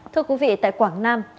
thưa quý vị tại quảng nam